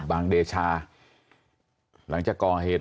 เดชาหลังจากก่อเหตุ